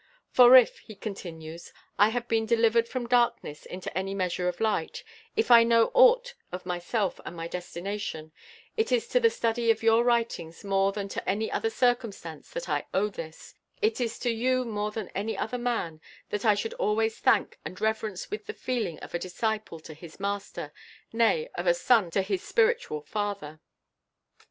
"For if," he continues, "I have been delivered from darkness into any measure of light, if I know aught of myself and my destination, it is to the study of your writings more than to any other circumstance that I owe this; it is you more than any other man that I should always thank and reverence with the feeling of a disciple to his Master, nay, of a son to his spiritual Father."